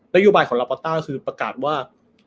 ในยูไบท์ของลาปอลต้ารัมน์ก็คือประกาศว่า